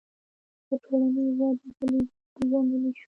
د ټولنې ودې دلیلونه پېژندلی شو